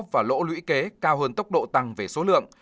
và lỗ lũy kế cao hơn tốc độ tăng về số lượng